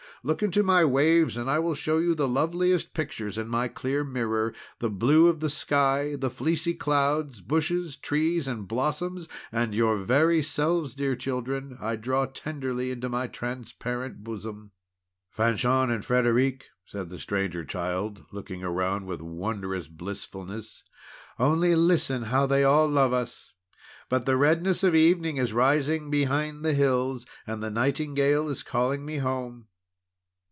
Look into my waves, and I will show you the loveliest pictures in my clear mirror, the blue of the sky, the fleecy clouds, bushes, trees, and blossoms; and your very selves, dear children, I draw tenderly into my transparent bosom!" "Fanchon and Frederic," said the Stranger Child, looking around with wondrous blissfulness. "Only listen how they all love us! But the redness of evening is rising behind the hills, and the nightingale is calling me home!"